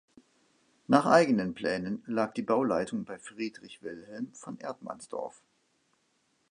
Nach eigenen Plänen lag die Bauleitung bei Friedrich Wilhelm von Erdmannsdorff.